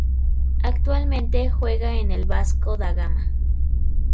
Actualmente juega en el Vasco da Gama.